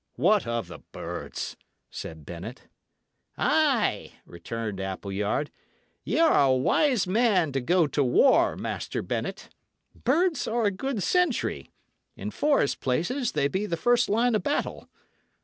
"What of the birds?" said Bennet. "Ay!" returned Appleyard, "y' are a wise man to go to war, Master Bennet. Birds are a good sentry; in forest places they be the first line of battle.